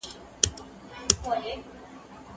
ټول واکسینونه د روغتیا نړیوال سازمان لخوا تایید شوي دي.